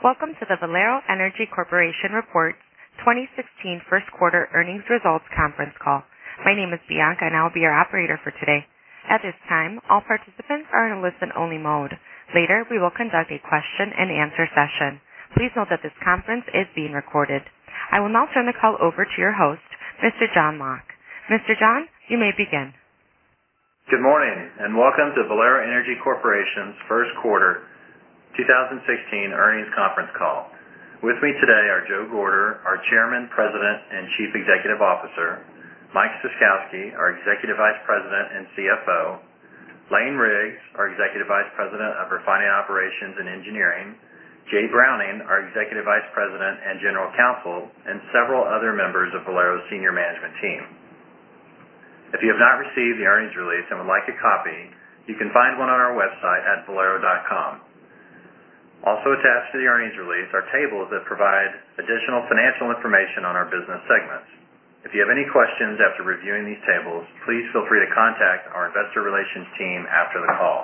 Welcome to the Valero Energy Corporation Report 2016 first quarter earnings results conference call. My name is Bianca, and I'll be your operator for today. At this time, all participants are in listen-only mode. Later, we will conduct a question and answer session. Please note that this conference is being recorded. I will now turn the call over to your host, Mr. John Locke. Mr. John, you may begin. Good morning. Welcome to Valero Energy Corporation's first quarter 2016 earnings conference call. With me today are Joe Gorder, our Chairman, President, and Chief Executive Officer, Mike Ciskowski, our Executive Vice President and CFO, Lane Riggs, our Executive Vice President of Refining Operations and Engineering, Jay Browning, our Executive Vice President and General Counsel, and several other members of Valero's senior management team. If you have not received the earnings release and would like a copy, you can find one on our website at valero.com. Also attached to the earnings release are tables that provide additional financial information on our business segments. If you have any questions after reviewing these tables, please feel free to contact our investor relations team after the call.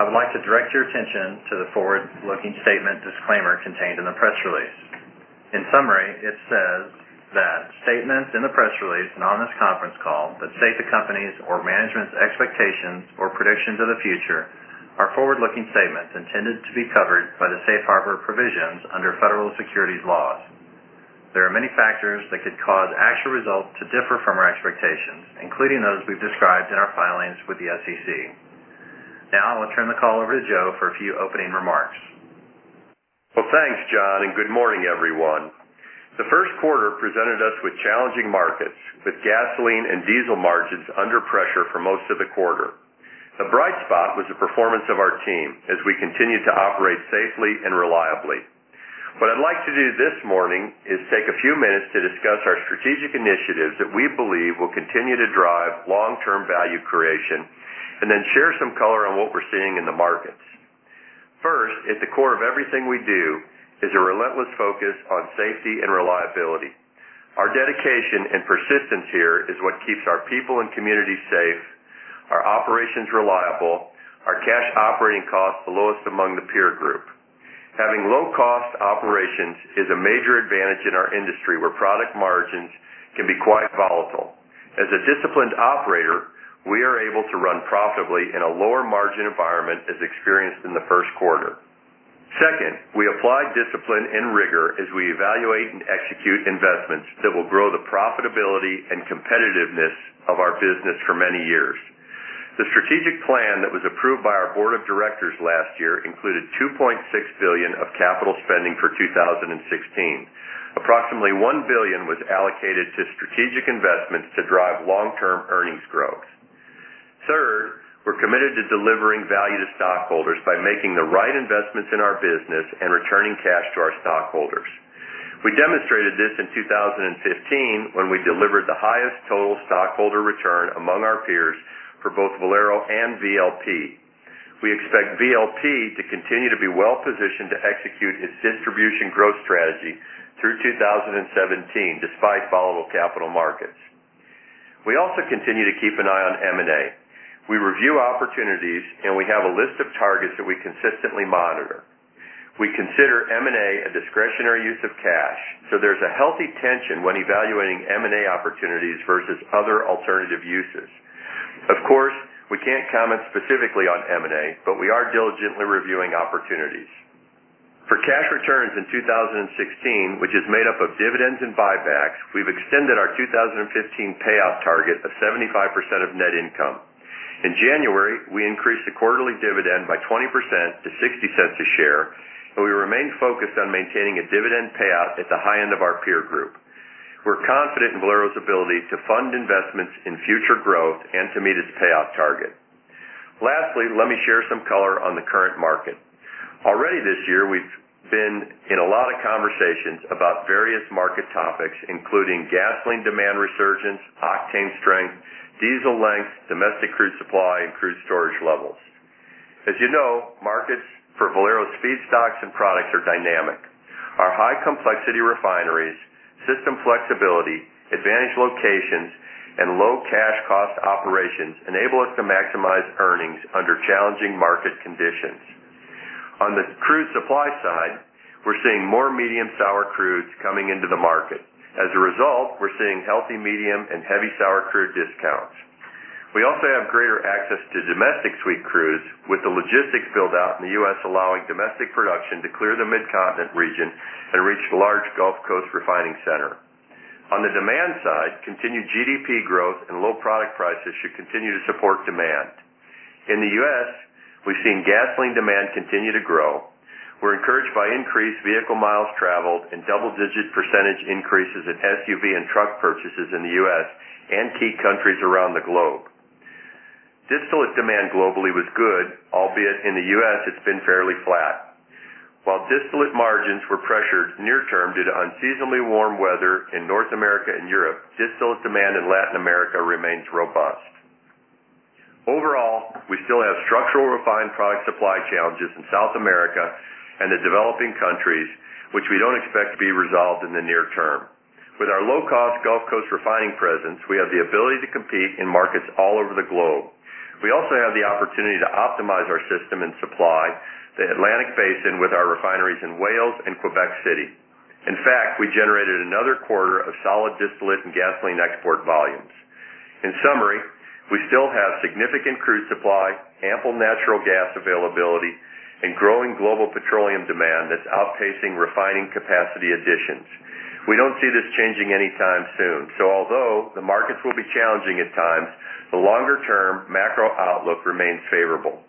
I would like to direct your attention to the forward-looking statement disclaimer contained in the press release. In summary, it says that statements in the press release and on this conference call that state the company's or management's expectations or predictions of the future are forward-looking statements intended to be covered by the safe harbor provisions under federal securities laws. There are many factors that could cause actual results to differ from our expectations, including those we've described in our filings with the SEC. Now, I will turn the call over to Joe for a few opening remarks. Well, thanks, John. Good morning, everyone. The first quarter presented us with challenging markets, with gasoline and diesel margins under pressure for most of the quarter. The bright spot was the performance of our team as we continued to operate safely and reliably. What I'd like to do this morning is take a few minutes to discuss our strategic initiatives that we believe will continue to drive long-term value creation. Then share some color on what we're seeing in the markets. First, at the core of everything we do is a relentless focus on safety and reliability. Our dedication and persistence here is what keeps our people and communities safe, our operations reliable, our cash operating costs the lowest among the peer group. Having low-cost operations is a major advantage in our industry, where product margins can be quite volatile. As a disciplined operator, we are able to run profitably in a lower margin environment as experienced in the first quarter. Second, we apply discipline and rigor as we evaluate and execute investments that will grow the profitability and competitiveness of our business for many years. The strategic plan that was approved by our board of directors last year included $2.6 billion of capital spending for 2016. Approximately $1 billion was allocated to strategic investments to drive long-term earnings growth. Third, we're committed to delivering value to stockholders by making the right investments in our business and returning cash to our stockholders. We demonstrated this in 2015 when we delivered the highest total stockholder return among our peers for both Valero and VLP. We expect VLP to continue to be well-positioned to execute its distribution growth strategy through 2017, despite volatile capital markets. We also continue to keep an eye on M&A. We review opportunities. We have a list of targets that we consistently monitor. We consider M&A a discretionary use of cash. There's a healthy tension when evaluating M&A opportunities versus other alternative uses. Of course, we can't comment specifically on M&A, but we are diligently reviewing opportunities. For cash returns in 2016, which is made up of dividends and buybacks, we've extended our 2015 payout target of 75% of net income. In January, we increased the quarterly dividend by 20% to $0.60 a share. We remain focused on maintaining a dividend payout at the high end of our peer group. We're confident in Valero's ability to fund investments in future growth and to meet its payout target. Let me share some color on the current market. Already this year, we've been in a lot of conversations about various market topics, including gasoline demand resurgence, octane strength, diesel length, domestic crude supply, crude storage levels. As you know, markets for Valero's feedstocks and products are dynamic. Our high complexity refineries, system flexibility, advantage locations, and low cash cost operations enable us to maximize earnings under challenging market conditions. On the crude supply side, we're seeing more medium sour crudes coming into the market. We're seeing healthy medium and heavy sour crude discounts. We also have greater access to domestic sweet crudes, with the logistics build out in the U.S. allowing domestic production to clear the Midcontinent region and reach the large Gulf Coast refining center. On the demand side, continued GDP growth and low product prices should continue to support demand. In the U.S., we've seen gasoline demand continue to grow. We're encouraged by increased vehicle miles traveled and double-digit percentage increases in SUV and truck purchases in the U.S. and key countries around the globe. Distillate demand globally was good, albeit in the U.S., it's been fairly flat. Distillate margins were pressured near term due to unseasonably warm weather in North America and Europe, distillate demand in Latin America remains robust. We still have structural refined product supply challenges in South America and the developing countries, which we don't expect to be resolved in the near term. With our low-cost Gulf Coast refining presence, we have the ability to compete in markets all over the globe. We have the opportunity to optimize our system and supply the Atlantic Basin with our refineries in Wales and Quebec City. We generated another quarter of solid distillate and gasoline export volumes. In summary, we still have significant crude supply, ample natural gas availability, and growing global petroleum demand that's outpacing refining capacity additions. We don't see this changing anytime soon. Although the markets will be challenging at times, the longer-term macro outlook remains favorable.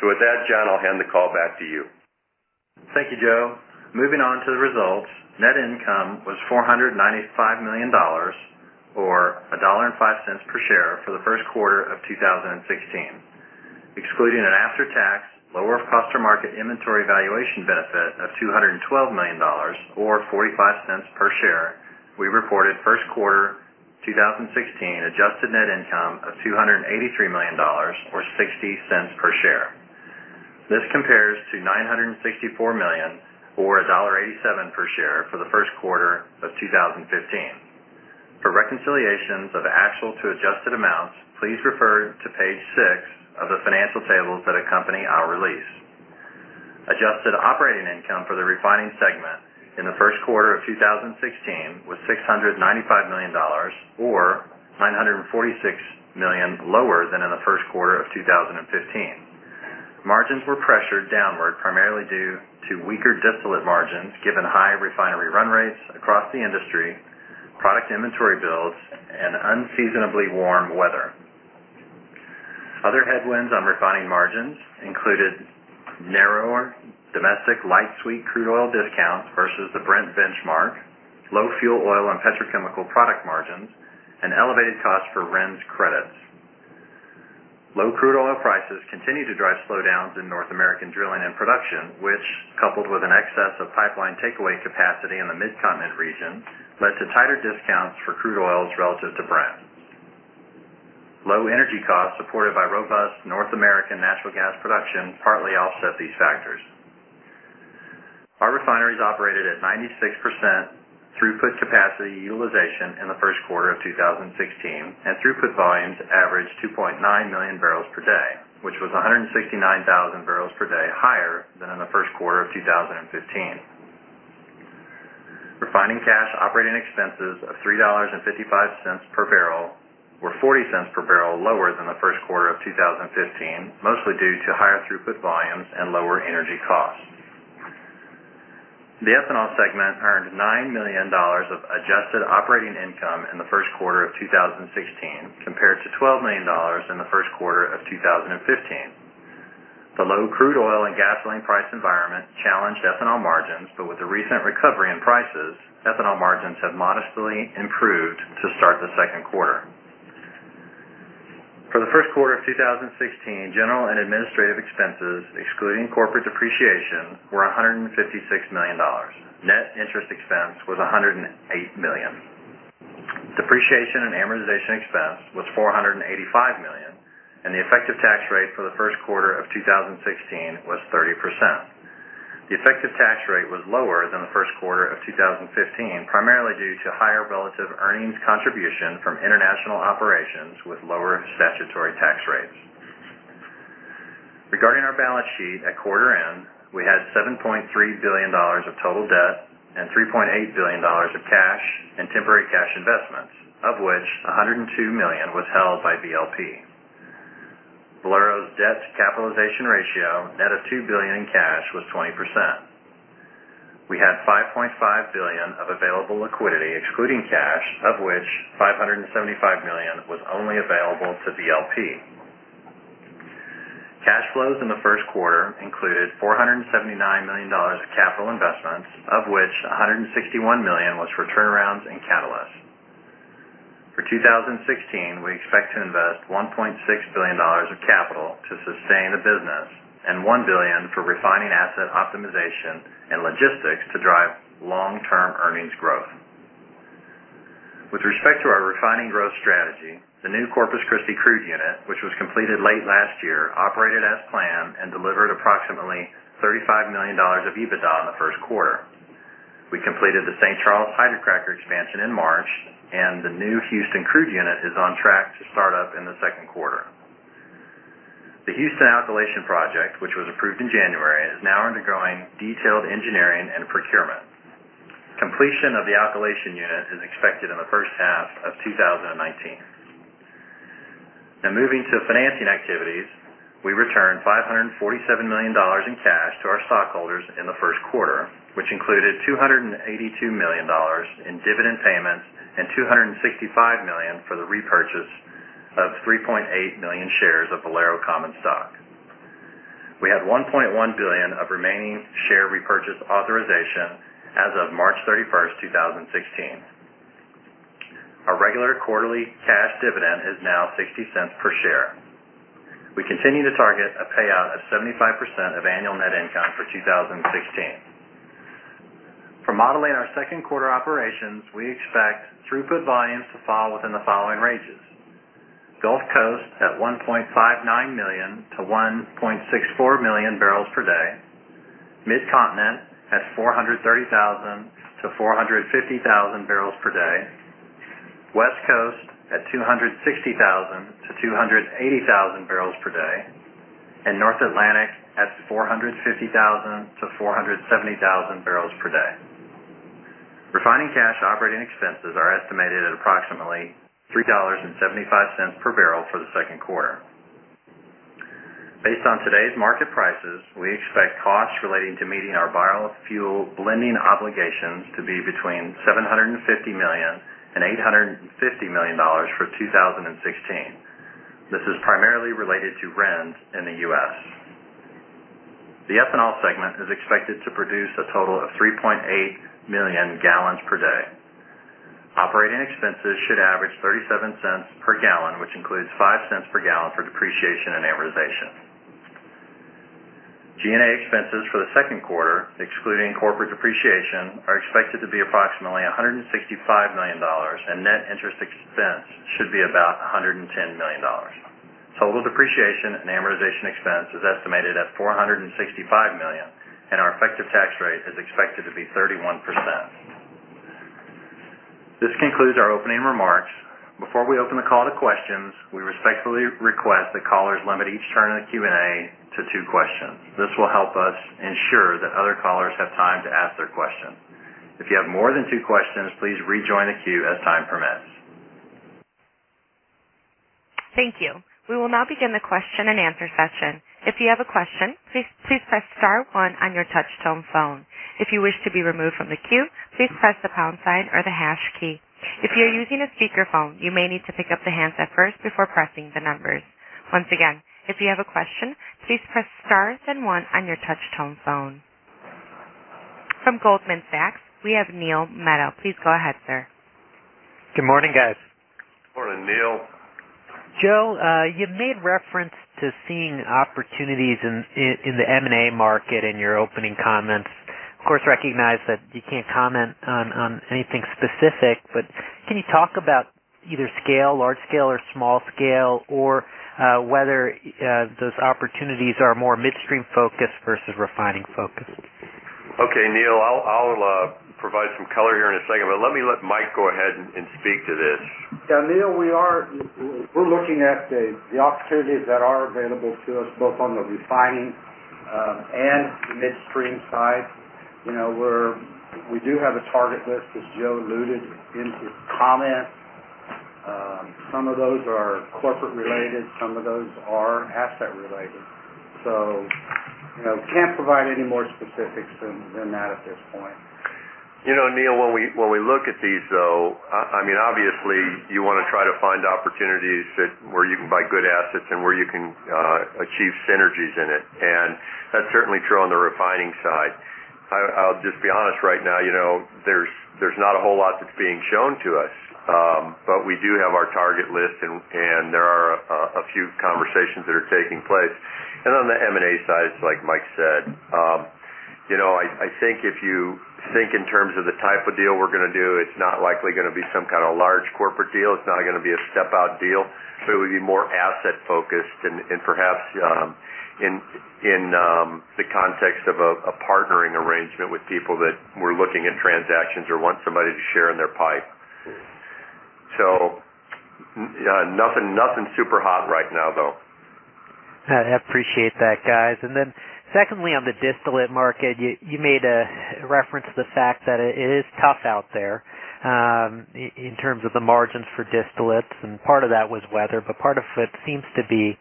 With that, John, I'll hand the call back to you. Thank you, Joe. Moving on to the results. Net income was $495 million, or $1.05 per share for the first quarter of 2016. Excluding an after-tax lower cost or market inventory valuation benefit of $212 million, or $0.45 per share, we reported first quarter 2016 adjusted net income of $283 million, or $0.60 per share. This compares to $964 million, or $1.87 per share for the first quarter of 2015. For reconciliations of actual to adjusted amounts, please refer to page six of the financial tables that accompany our release. Adjusted operating income for the refining segment in the first quarter of 2016 was $695 million or $946 million lower than in the first quarter of 2015. Margins were pressured downward, primarily due to weaker distillate margins, given high refinery run rates across the industry, product inventory builds, and unseasonably warm weather. Other headwinds on refining margins included narrower domestic light sweet crude oil discounts versus the Brent benchmark, low fuel oil and petrochemical product margins, and elevated costs for RINs credits. Low crude oil prices continue to drive slowdowns in North American drilling and production, which, coupled with an excess of pipeline takeaway capacity in the Midcontinent region, led to tighter discounts for crude oils relative to Brent. Low energy costs supported by robust North American natural gas production partly offset these factors. Our refineries operated at 96% throughput capacity utilization in the first quarter of 2016, and throughput volumes averaged 2.9 million barrels per day, which was 169,000 barrels per day higher than in the first quarter of 2015. Refining cash operating expenses of $3.55 per barrel were $0.40 per barrel lower than the first quarter of 2015, mostly due to higher throughput volumes and lower energy costs. The ethanol segment earned $9 million of adjusted operating income in the first quarter of 2016, compared to $12 million in the first quarter of 2015. The low crude oil and gasoline price environment challenged ethanol margins, but with the recent recovery in prices, ethanol margins have modestly improved to start the second quarter. For the first quarter of 2016, general and administrative expenses, excluding corporate depreciation, were $156 million. Net interest expense was $108 million. Depreciation and amortization expense was $485 million, and the effective tax rate for the first quarter of 2016 was 30%. The effective tax rate was lower than the first quarter of 2015, primarily due to higher relative earnings contribution from international operations with lower statutory tax rates. Regarding our balance sheet, at quarter end, we had $7.3 billion of total debt and $3.8 billion of cash and temporary cash investments, of which $102 million was held by VLP. Valero's debt capitalization ratio, net of $2 billion in cash, was 20%. We had $5.5 billion of available liquidity excluding cash, of which $575 million was only available to VLP. Cash flows in the first quarter included $479 million of capital investments, of which $161 million was for turnarounds and catalysts. For 2016, we expect to invest $1.6 billion of capital to sustain the business and $1 billion for refining asset optimization and logistics to drive long-term earnings growth. With respect to our refining growth strategy, the new Corpus Christi crude unit, which was completed late last year, operated as planned and delivered approximately $35 million of EBITDA in the first quarter. We completed the St. Charles hydrocracker expansion in March, and the new Houston crude unit is on track to start up in the second quarter. The Houston alkylation project, which was approved in January, is now undergoing detailed engineering and procurement. Completion of the alkylation unit is expected in the first half of 2019. Now moving to financing activities. We returned $547 million in cash to our stockholders in the first quarter, which included $282 million in dividend payments and $265 million for the repurchase of 3.8 million shares of Valero common stock. We had $1.1 billion of remaining share repurchase authorization as of March 31st, 2016. Our regular quarterly cash dividend is now $0.60 per share. We continue to target a payout of 75% of annual net income for 2016. For modeling our second quarter operations, we expect throughput volumes to fall within the following ranges: Gulf Coast at 1.59 million-1.64 million barrels per day. Midcontinent at 430,000-450,000 barrels per day, West Coast at 260,000-280,000 barrels per day, and North Atlantic at 450,000-470,000 barrels per day. Refining cash operating expenses are estimated at approximately $3.75 per barrel for the second quarter. Based on today's market prices, we expect costs relating to meeting our biofuel blending obligations to be between $750 million and $850 million for 2016. This is primarily related to RINs in the U.S. The ethanol segment is expected to produce a total of 3.8 million gallons per day. Operating expenses should average $0.37 per gallon, which includes $0.05 per gallon for depreciation and amortization. G&A expenses for the second quarter, excluding corporate depreciation, are expected to be approximately $165 million, and net interest expense should be about $110 million. Total depreciation and amortization expense is estimated at $465 million. Our effective tax rate is expected to be 31%. This concludes our opening remarks. Before we open the call to questions, we respectfully request that callers limit each turn in the Q&A to two questions. This will help us ensure that other callers have time to ask their questions. If you have more than two questions, please rejoin the queue as time permits. Thank you. We will now begin the question and answer session. If you have a question, please press star one on your touch-tone phone. If you wish to be removed from the queue, please press the pound sign or the hash key. If you're using a speakerphone, you may need to pick up the handset first before pressing the numbers. Once again, if you have a question, please press star then one on your touch-tone phone. From Goldman Sachs, we have Neil Mehta. Please go ahead, sir. Good morning, guys. Morning, Neil. Joe, you've made reference to seeing opportunities in the M&A market in your opening comments. Of course, recognize that you can't comment on anything specific, but can you talk about either scale, large scale or small scale, or whether those opportunities are more midstream focused versus refining focused? Okay, Neil, I'll provide some color here in a second, but let me let Mike go ahead and speak to this. Yeah, Neil, we're looking at the opportunities that are available to us both on the refining and midstream side. We do have a target list, as Joe alluded in his comments. Some of those are corporate related, some of those are asset related. Can't provide any more specifics than that at this point. Neil, when we look at these, though, obviously you want to try to find opportunities where you can buy good assets and where you can achieve synergies in it, and that's certainly true on the refining side. I'll just be honest right now, there's not a whole lot that's being shown to us. We do have our target list, and there are a few conversations that are taking place. On the M&A side, it's like Mike said. I think if you think in terms of the type of deal we're going to do, it's not likely going to be some kind of large corporate deal. It's not going to be a step-out deal. It would be more asset focused and perhaps in the context of a partnering arrangement with people that were looking at transactions or want somebody to share in their pie. Nothing super hot right now, though. I appreciate that, guys. Secondly, on the distillate market, you made a reference to the fact that it is tough out there in terms of the margins for distillates, and part of that was weather, but part of it seems to be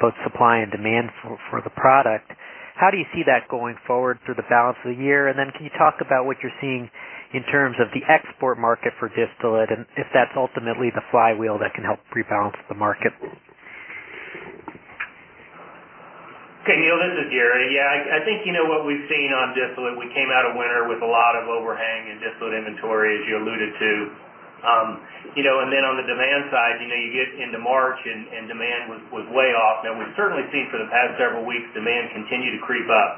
both supply and demand for the product. How do you see that going forward through the balance of the year? Can you talk about what you're seeing in terms of the export market for distillate and if that's ultimately the flywheel that can help rebalance the market? Okay, Neil, this is Gary. I think what we've seen on distillate, we came out of winter with a lot of overhang in distillate inventory, as you alluded to. On the demand side, you get into March and demand was way off. Now we've certainly seen for the past several weeks, demand continue to creep up.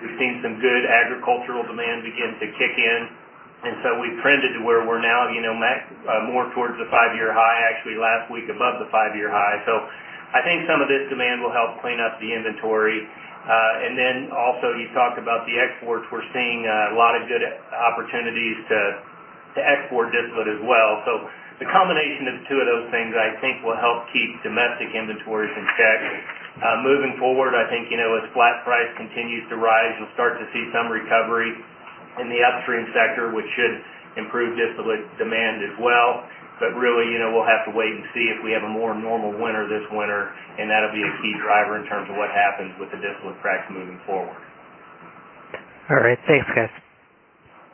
We've seen some good agricultural demand begin to kick in, and so we've trended to where we're now more towards the five-year high, actually last week above the five-year high. I think some of this demand will help clean up the inventory. Also you talked about the exports. We're seeing a lot of good opportunities to export distillate as well. The combination of two of those things I think will help keep domestic inventories in check. Moving forward, I think as flat price continues to rise, you'll start to see some recovery in the upstream sector, which should improve distillate demand as well. Really, we'll have to wait and see if we have a more normal winter this winter, and that'll be a key driver in terms of what happens with the distillate cracks moving forward. All right. Thanks, guys.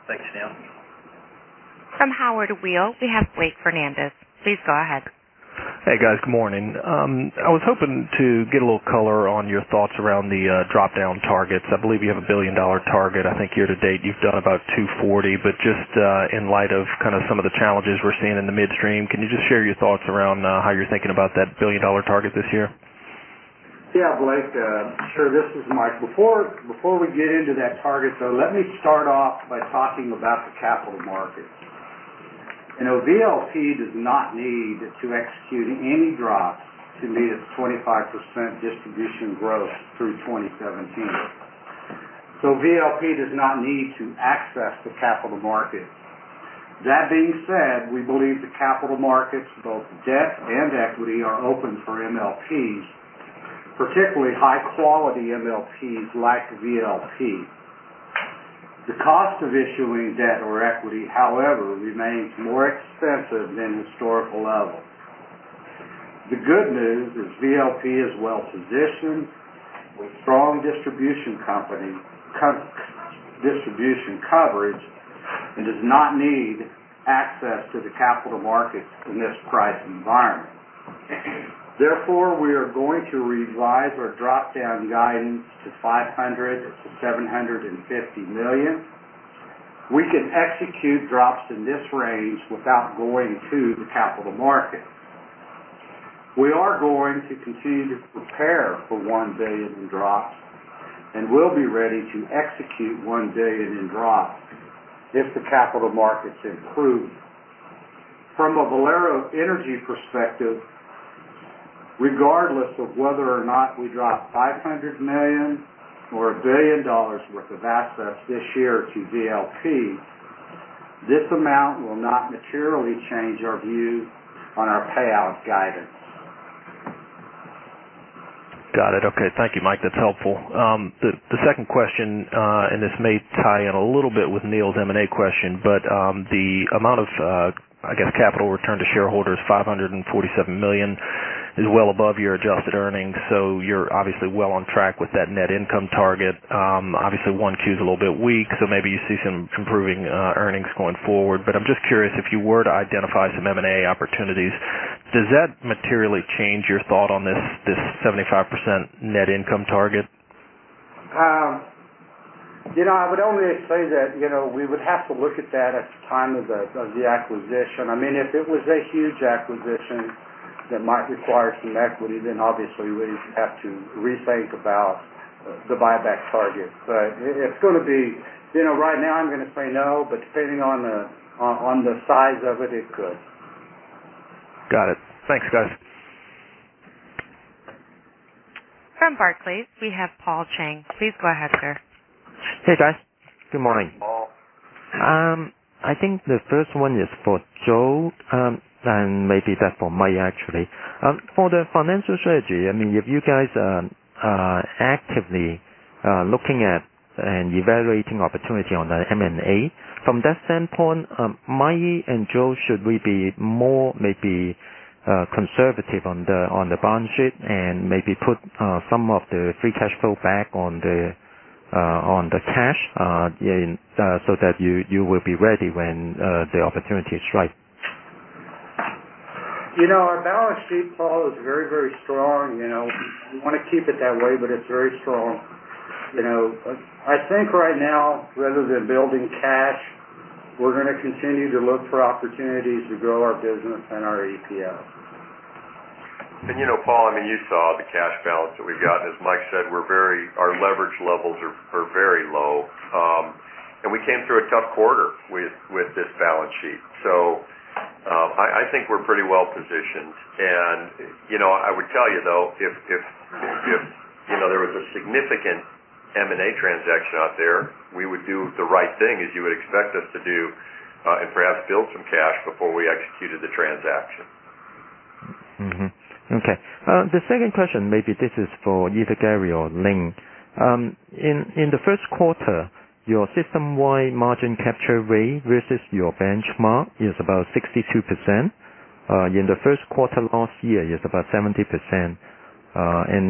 Thanks, Neil. From Howard Weil, we have Blake Fernandez. Please go ahead. Hey, guys. Good morning. I was hoping to get a little color on your thoughts around the drop-down targets. I believe you have a $1 billion target. I think year to date, you've done about $240. Just in light of some of the challenges we're seeing in the midstream, can you just share your thoughts around how you're thinking about that $1 billion target this year? Yeah, Blake. Sure. This is Mike. Before we get into that target, though, let me start off by talking about the capital markets. VLP does not need to execute any drops to meet its 25% distribution growth through 2017. VLP does not need to access the capital markets. That being said, we believe the capital markets, both debt and equity, are open for MLPs, particularly high-quality MLPs like VLP. The cost of issuing debt or equity, however, remains more expensive than historical levels. The good news is VLP is well-positioned with strong distribution coverage and does not need access to the capital markets in this price environment. We are going to revise our drop-down guidance to $500 million-$750 million. We can execute drops in this range without going to the capital markets. We are going to continue to prepare for $1 billion in drops, and we'll be ready to execute $1 billion in drops if the capital markets improve. From a Valero Energy perspective, regardless of whether or not we drop $500 million or $1 billion worth of assets this year to VLP, this amount will not materially change our view on our payout guidance. Got it. Okay. Thank you, Mike. That's helpful. The second question, this may tie in a little bit with Neil's M&A question, but the amount of capital return to shareholders, $547 million, is well above your adjusted earnings. You're obviously well on track with that net income target. Obviously, Q1 is a little bit weak, so maybe you see some improving earnings going forward. I'm just curious, if you were to identify some M&A opportunities, does that materially change your thought on this 75% net income target? I would only say that we would have to look at that at the time of the acquisition. If it was a huge acquisition that might require some equity, obviously we would have to rethink about the buyback target. Right now I'm going to say no, but depending on the size of it could. Got it. Thanks, guys. From Barclays, we have Paul Cheng. Please go ahead, sir. Hey, guys. Good morning. Good morning, Paul. I think the first one is for Joe Gorder, maybe that's for Mike Ciskowski, actually. For the financial strategy, if you guys are actively looking at and evaluating opportunity on the M&A. From that standpoint, Mike Ciskowski and Joe Gorder, should we be more maybe conservative on the balance sheet and maybe put some of the free cash flow back on the cash so that you will be ready when the opportunity is right? Our balance sheet, Paul, is very strong. We want to keep it that way, it's very strong. I think right now, rather than building cash, we're going to continue to look for opportunities to grow our business and our EPS. Paul, you saw the cash balance that we've got. As Mike Ciskowski said, our leverage levels are very low. We came through a tough quarter with this balance sheet. I think we're pretty well-positioned. I would tell you, though, if there was a significant M&A transaction out there, we would do the right thing as you would expect us to do, and perhaps build some cash before we executed the transaction. Okay. The second question, maybe this is for either Gary K. Simmons or Lane Riggs. In the first quarter, your system-wide margin capture rate versus your benchmark is about 62%. In the first quarter last year, it's about 70%.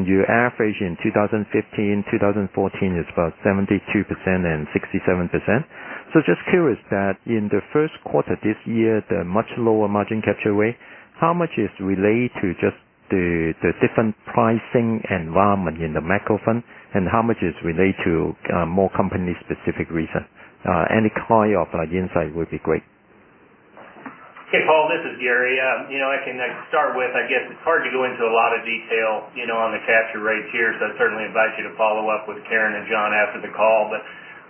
Your average in 2015, 2014 is about 72% and 67%. Just curious that in the first quarter this year, the much lower margin capture rate, how much is related to just the different pricing environment in the macro environment, and how much is related to more company-specific reasons? Any kind of insight would be great. Hey, Paul, this is Gary. I can start with, I guess it's hard to go into a lot of detail on the capture rates here, so I certainly invite you to follow up with Karen and John after the call.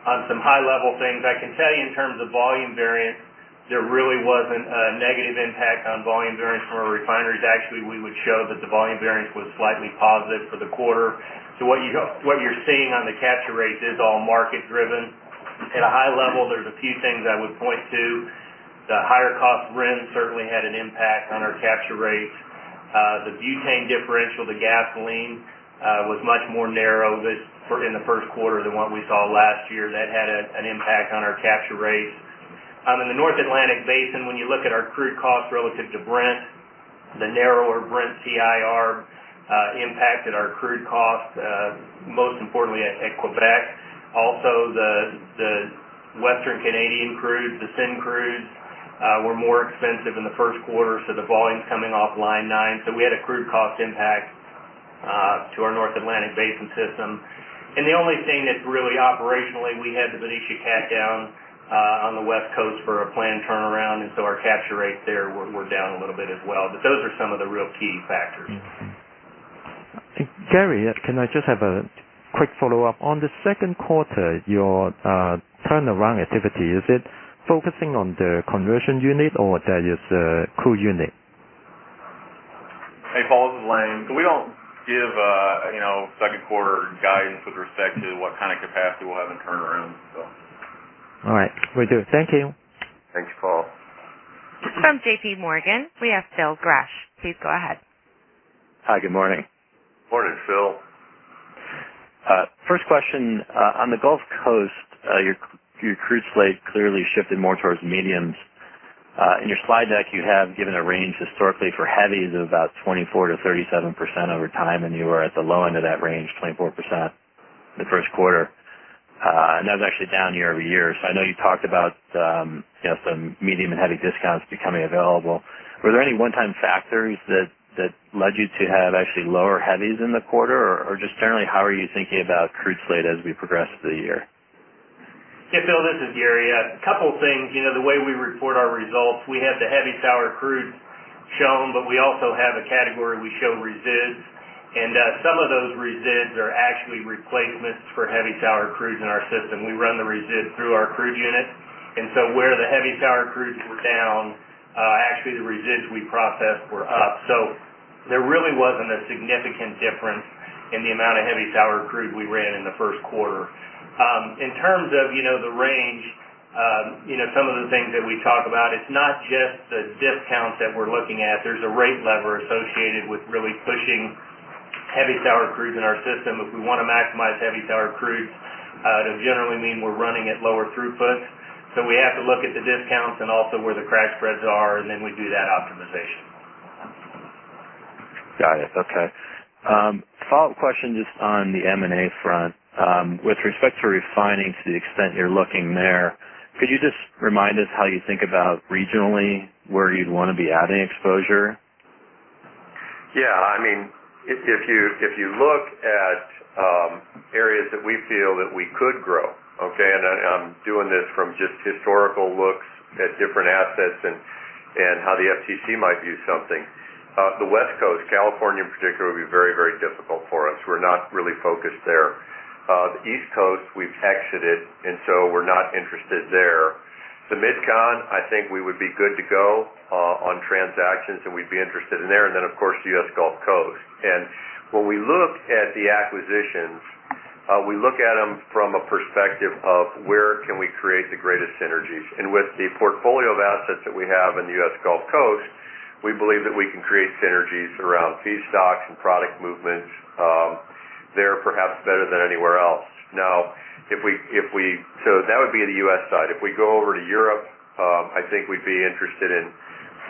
On some high-level things, I can tell you in terms of volume variance, there really wasn't a negative impact on volume variance from our refineries. Actually, we would show that the volume variance was slightly positive for the quarter. What you're seeing on the capture rate is all market-driven. At a high level, there's a few things I would point to. The higher cost of RINs certainly had an impact on our capture rates. The butane differential to gasoline was much more narrow in the first quarter than what we saw last year. That had an impact on our capture rates. In the North Atlantic basin, when you look at our crude cost relative to Brent, the narrower Brent CIF impacted our crude cost, most importantly at Quebec. Also, the Western Canadian crudes, the SCO crudes, were more expensive in the first quarter, so the volumes coming off Line 9. We had a crude cost impact to our North Atlantic basin system. The only thing that really operationally, we had the Benicia cat down on the West Coast for a planned turnaround, and so our capture rates there were down a little bit as well. Those are some of the real key factors. Gary, can I just have a quick follow-up? On the second quarter, your turnaround activity, is it focusing on the conversion unit or that is the crude unit? Hey, Paul, this is Lane. We don't give second quarter guidance with respect to what kind of capacity we'll have in turnaround. All right. Will do. Thank you. Thanks, Paul. From JPMorgan, we have Phil Gresh. Please go ahead. Hi, good morning. Morning, Phil. First question, on the Gulf Coast, your crude slate clearly shifted more towards mediums. In your slide deck, you have given a range historically for heavies of about 24%-37% over time, and you were at the low end of that range, 24%, the first quarter. That was actually down year-over-year. I know you talked about some medium and heavy discounts becoming available. Were there any one-time factors that led you to have actually lower heavies in the quarter? Or just generally, how are you thinking about crude slate as we progress through the year? Hey, Phil, this is Gary. A couple of things. The way we report our results, we have the heavy sour crude shown, but we also have a category we show residues. Some of those residues are actually replacements for heavy sour crude in our system. We run the residue through our crude unit. Where the heavy sour crudes were down, actually the residues we processed were up. There really wasn't a significant difference in the amount of heavy sour crude we ran in the first quarter. In terms of the range, some of the things that we talk about, it's not just the discounts that we're looking at. There's a rate lever associated with really pushing heavy sour crudes in our system. If we want to maximize heavy sour crudes, it'll generally mean we're running at lower throughput. We have to look at the discounts and also where the crack spreads are, and then we do that optimization. Got it. Okay. Follow-up question just on the M&A front. With respect to refining to the extent you're looking there, could you just remind us how you think about regionally where you'd want to be adding exposure? Yeah, if you look at areas that we feel that we could grow, okay. I'm doing this from just historical looks at different assets and how the Federal Trade Commission might view something. The West Coast, California in particular, would be very, very difficult for us. We're not really focused there. The East Coast we've exited, we're not interested there. The MidCon, I think we would be good to go on transactions, and we'd be interested in there. Of course, the U.S. Gulf Coast. When we look at the acquisitions, we look at them from a perspective of where can we create the greatest synergies. With the portfolio of assets that we have in the U.S. Gulf Coast, we believe that we can create synergies around feedstock and product movements there perhaps better than anywhere else. That would be the U.S. side. If we go over to Europe, I think we'd be interested in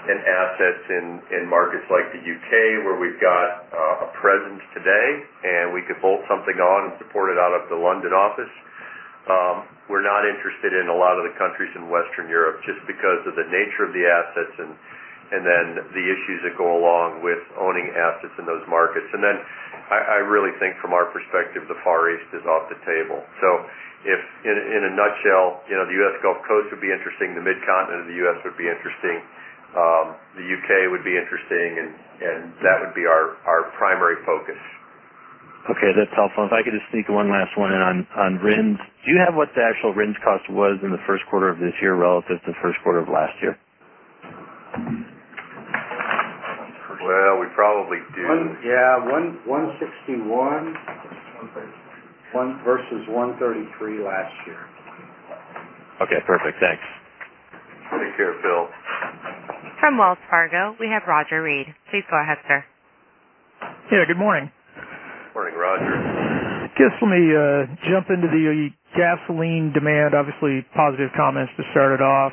assets in markets like the U.K., where we've got a presence today, and we could bolt something on and support it out of the London office. We're not interested in a lot of the countries in Western Europe, just because of the nature of the assets and the issues that go along with owning assets in those markets. I really think from our perspective, the Far East is off the table. In a nutshell, the U.S. Gulf Coast would be interesting. The Mid-Continent of the U.S. would be interesting. The U.K. would be interesting, and that would be our primary focus. Okay, that's helpful. If I could just sneak one last one in on RINs. Do you have what the actual RINs cost was in the first quarter of this year relative to the first quarter of last year? Well, we probably do. Yeah. 161 versus 133 last year. Okay, perfect. Thanks. Take care, Phil. From Wells Fargo, we have Roger Read. Please go ahead, sir. Yeah, good morning. Morning, Roger. Just let me jump into the gasoline demand. Obviously, positive comments to start it off.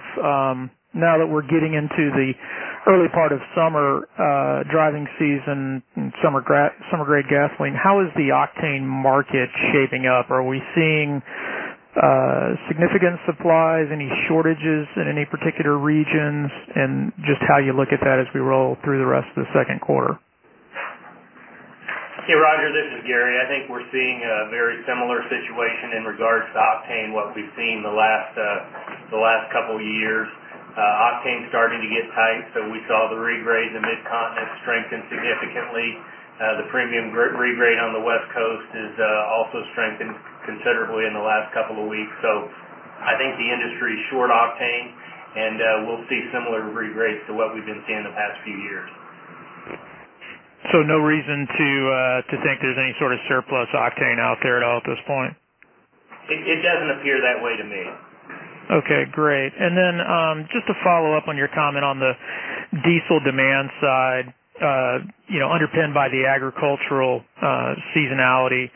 Now that we're getting into the early part of summer driving season and summer-grade gasoline, how is the octane market shaping up? Are we seeing significant supplies? Any shortages in any particular regions? Just how you look at that as we roll through the rest of the second quarter. Hey, Roger, this is Gary. I think we're seeing a very similar situation in regards to octane, what we've seen the last couple of years. Octane's starting to get tight. We saw the regrades in Mid-Continent strengthen significantly. The premium regrade on the West Coast has also strengthened considerably in the last couple of weeks. I think the industry is short octane, and we'll see similar regrades to what we've been seeing the past few years. No reason to think there's any sort of surplus octane out there at all at this point? It doesn't appear that way to me. Okay, great. Just to follow up on your comment on the diesel demand side, underpinned by the agricultural seasonality.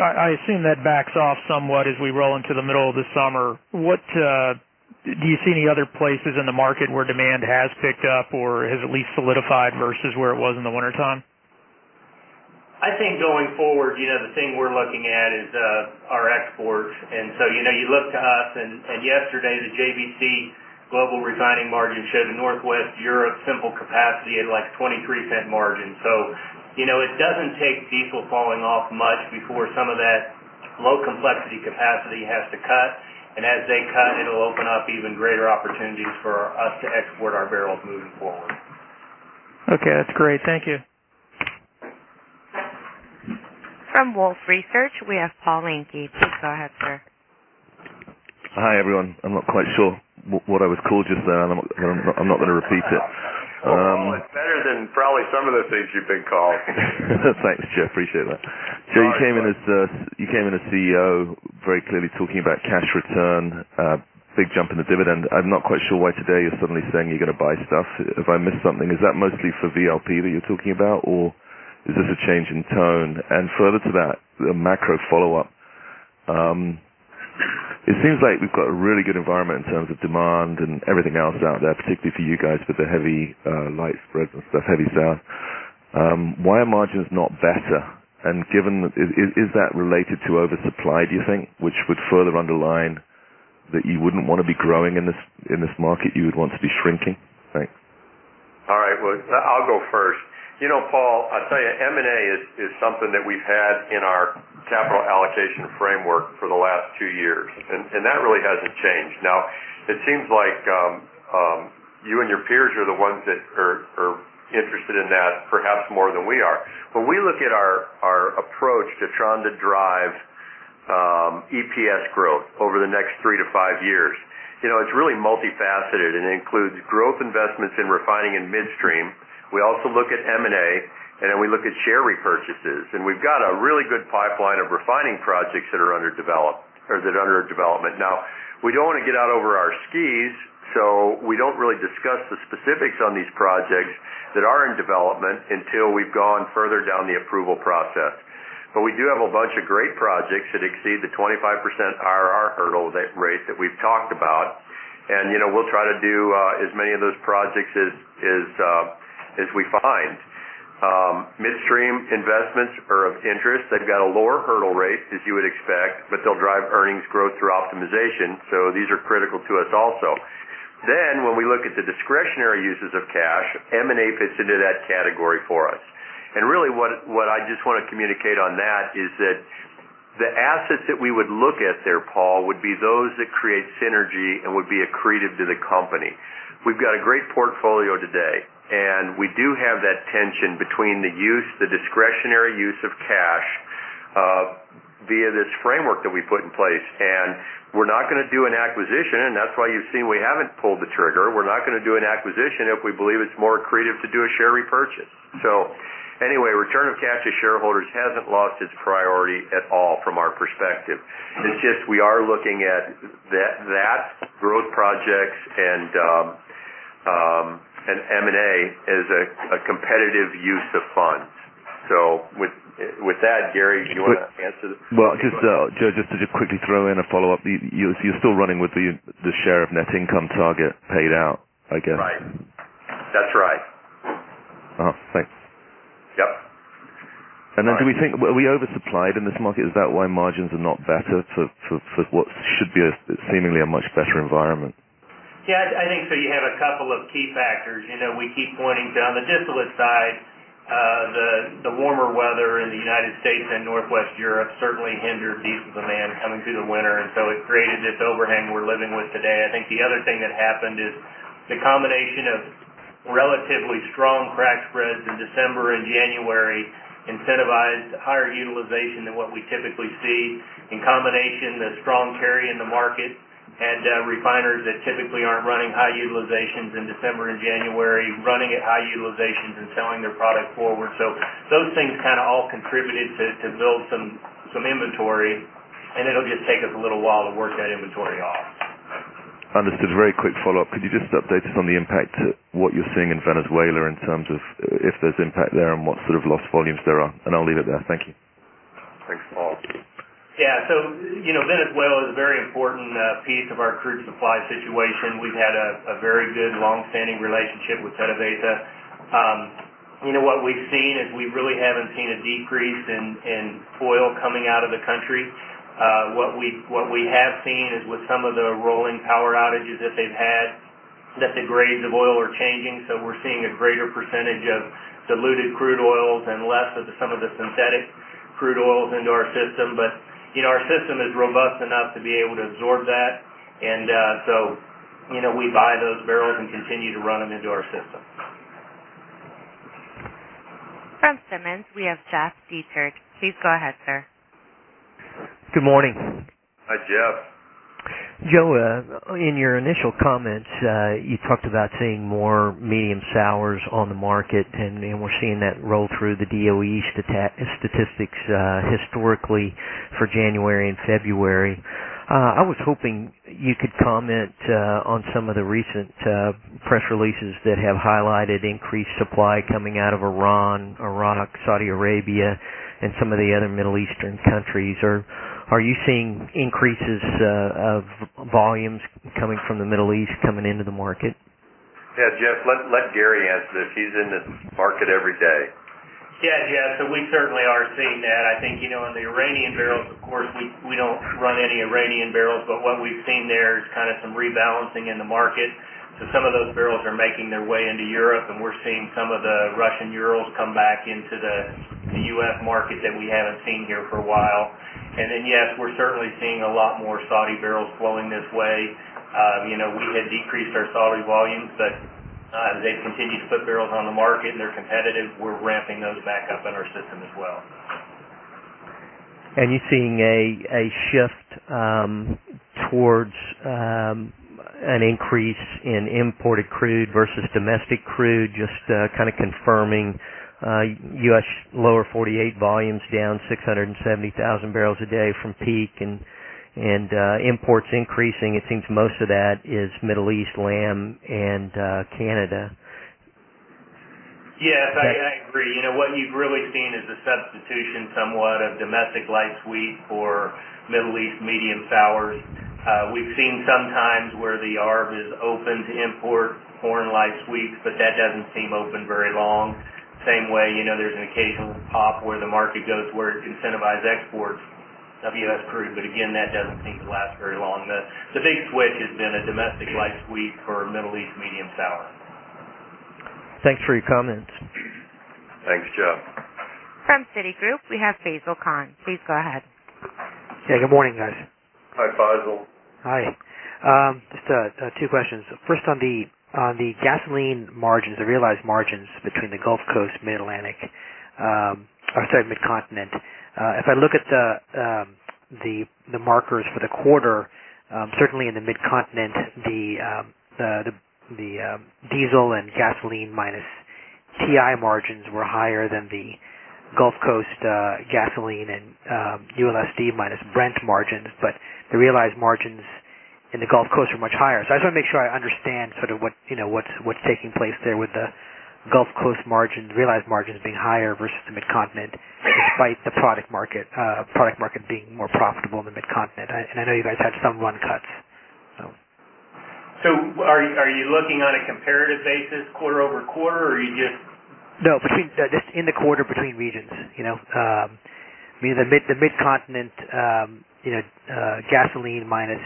I assume that backs off somewhat as we roll into the middle of the summer. Do you see any other places in the market where demand has picked up or has at least solidified versus where it was in the wintertime? I think going forward, the thing we're looking at is our exports. You look to us, and yesterday the JBC global refining margin showed a Northwest Europe simple capacity at $0.23 margin. It doesn't take diesel falling off much before some of that Low complexity capacity has to cut, and as they cut, it'll open up even greater opportunities for us to export our barrels moving forward. Okay. That's great. Thank you. From Wolfe Research, we have Paul Sankey. Please go ahead, sir. Hi, everyone. I'm not quite sure what I was called just then. I'm not going to repeat it. Well, Paul, it's better than probably some of the things you've been called. Thanks, Joe. Appreciate that. All right, Paul. Joe, you came in as CEO very clearly talking about cash return, big jump in the dividend. I'm not quite sure why today you're suddenly saying you're going to buy stuff. Have I missed something? Is that mostly for VLP that you're talking about, or is this a change in tone? Further to that, a macro follow-up. It seems like we've got a really good environment in terms of demand and everything else out there, particularly for you guys with the heavy sour. Why are margins not better? Is that related to oversupply, do you think, which would further underline that you wouldn't want to be growing in this market, you would want to be shrinking? Thanks. All right. Well, I'll go first. Paul, I'll tell you, M&A is something that we've had in our capital allocation framework for the last two years, that really hasn't changed. Now, it seems like you and your peers are the ones that are interested in that perhaps more than we are. When we look at our approach to trying to drive EPS growth over the next three to five years, it's really multifaceted and it includes growth investments in refining and midstream. We also look at M&A, then we look at share repurchases. We've got a really good pipeline of refining projects that are under development. We don't want to get out over our skis, so we don't really discuss the specifics on these projects that are in development until we've gone further down the approval process. We do have a bunch of great projects that exceed the 25% IRR hurdle rate that we've talked about, and we'll try to do as many of those projects as we find. Midstream investments are of interest. They've got a lower hurdle rate, as you would expect, but they'll drive earnings growth through optimization. These are critical to us also. When we look at the discretionary uses of cash, M&A fits into that category for us. Really what I just want to communicate on that is that the assets that we would look at there, Paul, would be those that create synergy and would be accretive to the company. We've got a great portfolio today, and we do have that tension between the discretionary use of cash via this framework that we put in place. We're not going to do an acquisition, that's why you've seen we haven't pulled the trigger. We're not going to do an acquisition if we believe it's more accretive to do a share repurchase. Anyway, return of cash to shareholders hasn't lost its priority at all from our perspective. It's just we are looking at that growth project and M&A as a competitive use of funds. With that, Gary, do you want to answer the Well, just Joe, just to quickly throw in a follow-up. You're still running with the share of net income target paid out, I guess? Right. That's right. Thanks. Yep. Do we think, are we oversupplied in this market? Is that why margins are not better for what should be seemingly a much better environment? Yeah, I think so. You have a couple of key factors. We keep pointing to on the distillate side, the warmer weather in the U.S. and Northwest Europe certainly hindered diesel demand coming through the winter, and so it created this overhang we're living with today. I think the other thing that happened is the combination of relatively strong crack spreads in December and January incentivized higher utilization than what we typically see in combination with strong carry in the market and refiners that typically aren't running high utilizations in December and January, running at high utilizations and selling their product forward. Those things all contributed to build some inventory, and it'll just take us a little while to work that inventory off. Understood. Very quick follow-up. Could you just update us on the impact, what you're seeing in Venezuela in terms of if there's impact there and what sort of lost volumes there are? I'll leave it there. Thank you. Thanks, Paul. Yeah. Venezuela is a very important piece of our crude supply situation. We've had a very good longstanding relationship with PDVSA. What we've seen is we really haven't seen a decrease in oil coming out of the country. What we have seen is with some of the rolling power outages that they've had, that the grades of oil are changing. We're seeing a greater percentage of diluted crude oils and less of some of the synthetic crude oils into our system. Our system is robust enough to be able to absorb that. We buy those barrels and continue to run them into our system. From Simmons, we have Jeff Dietert. Please go ahead, sir. Good morning. Hi, Jeff. Joe, in your initial comments, you talked about seeing more medium sours on the market, and we're seeing that roll through the DOE EIA statistics historically for January and February. I was hoping you could comment on some of the recent press releases that have highlighted increased supply coming out of Iran, Iraq, Saudi Arabia, and some of the other Middle Eastern countries. Are you seeing increases of volumes coming from the Middle East coming into the market? Jeff, let Gary answer this. He's in this market every day. Jeff, we certainly are seeing that. I think, in the Iranian barrels, of course, we don't run any Iranian barrels, what we've seen there is kind of some rebalancing in the market. Some of those barrels are making their way into Europe, we're seeing some of the Russian Urals come back into the U.S. market that we haven't seen here for a while. Yes, we're certainly seeing a lot more Saudi barrels flowing this way. We had decreased our Saudi volumes, as they continue to put barrels on the market and they're competitive, we're ramping those back up in our system as well. You're seeing a shift towards an increase in imported crude versus domestic crude, just kind of confirming U.S. lower 48 volumes down 670,000 barrels a day from peak imports increasing. It seems most of that is Middle East, LatAm, Canada. Yes, I agree. What you've really seen is the substitution somewhat of domestic light sweet for Middle East medium sours. We've seen some times where the ARB is open to import foreign light sweets, that doesn't seem open very long. Same way, there's an occasional pop where the market goes, where it incentivizes exports of U.S. crude, again, that doesn't seem to last very long. The big switch has been a domestic light sweet for Middle East medium sour. Thanks for your comments. Thanks, Jeff. From Citigroup, we have Faisel Khan. Please go ahead. Yeah, good morning, guys. Hi, Faisel. Hi. Just two questions. First, on the gasoline margins, the realized margins between the Gulf Coast, Mid-Atlantic, Mid-Continent. If I look at the markers for the quarter, certainly in the Mid-Continent, the diesel and gasoline minus WTI margins were higher than the Gulf Coast gasoline and ULSD minus Brent margins. The realized margins in the Gulf Coast were much higher. I just want to make sure I understand what's taking place there with the Gulf Coast margins, realized margins being higher versus the Mid-Continent, despite the product market being more profitable in the Mid-Continent. I know you guys had some run cuts. Are you looking on a comparative basis quarter-over-quarter, or are you just- No, just in the quarter between regions. I mean, the Mid-Continent gasoline minus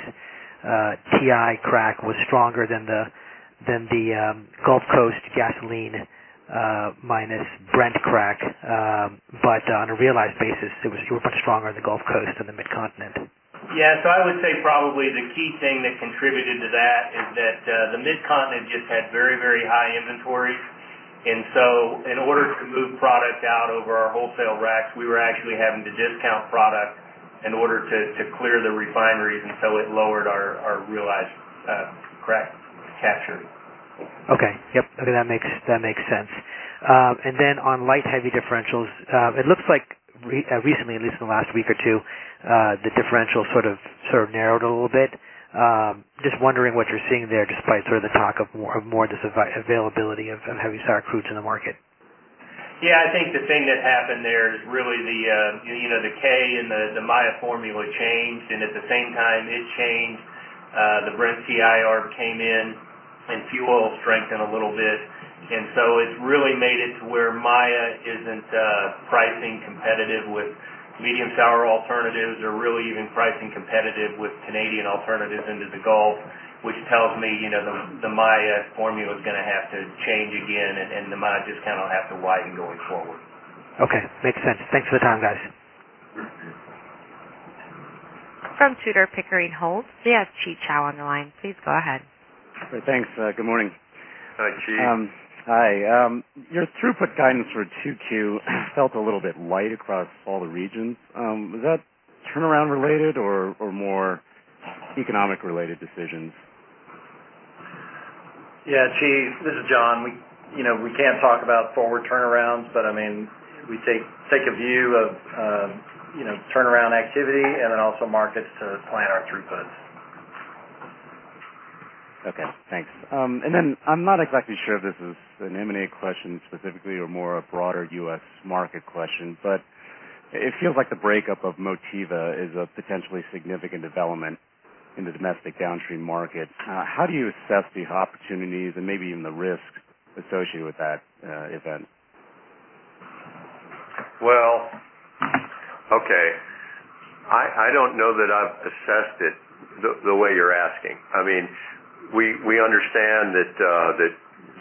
WTI crack was stronger than the Gulf Coast gasoline minus Brent crack. On a realized basis, it was much stronger in the Gulf Coast than the Mid-Continent. I would say probably the key thing that contributed to that is that the Mid-Continent just had very high inventories. In order to move product out over our wholesale racks, we were actually having to discount product in order to clear the refineries, and so it lowered our realized crack capture. Okay. Yep. Okay, that makes sense. On light heavy differentials, it looks like recently, at least in the last week or two, the differential sort of narrowed a little bit. Just wondering what you're seeing there, despite sort of the talk of more availability of heavy sour crude to the market. I think the thing that happened there is really the K and the Maya formula changed. At the same time it changed, the Brent-WTI arb came in and fuel strengthened a little bit. It's really made it to where Maya isn't pricing competitive with medium sour alternatives or really even pricing competitive with Canadian alternatives into the Gulf, which tells me the Maya formula is going to have to change again, and the discount will have to widen going forward. Okay. Makes sense. Thanks for the time, guys. From Tudor, Pickering Holt, we have Chi Chow on the line. Please go ahead. Thanks. Good morning. Hi, Chi. Hi. Your throughput guidance for 2Q felt a little bit light across all the regions. Was that turnaround related or more economic-related decisions? Yeah, Chi, this is John. We can't talk about forward turnarounds. We take a view of turnaround activity and also markets to plan our throughputs. Okay, thanks. I'm not exactly sure if this is an M&A question specifically or more a broader U.S. market question. It feels like the breakup of Motiva is a potentially significant development in the domestic downstream market. How do you assess the opportunities and maybe even the risks associated with that event? Well, okay. I don't know that I've assessed it the way you're asking. We understand that